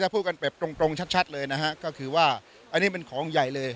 พูดกันแบบตรงชัดเลยนะฮะก็คือว่าอันนี้เป็นของใหญ่เลย